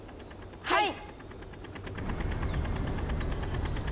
はい！